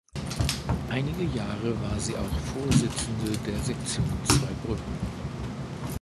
Einige Jahre war sie auch Vorsitzende der Sektion Zweibrücken.